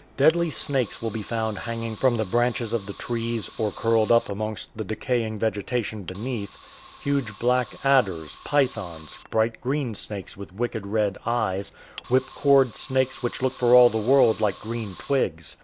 Deadly snakes will be found hang ing from the branches of the trees, or curled up amongst the decaying vegetation beneath ; huge black adders, pythons, bright green snakes with wicked red eyes, whip cord snakes which look for all the world like green twigs.